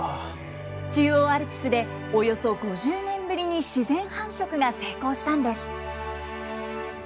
中央アルプスでおよそ５０年ぶりに自然繁殖が成功したんです。